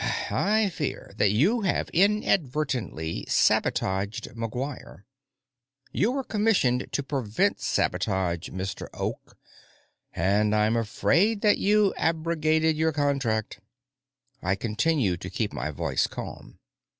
"I fear that you have inadvertently sabotaged McGuire. You were commissioned to prevent sabotage, Mr. Oak, and I'm afraid that you abrogated your contract." I just continued to keep my voice calm.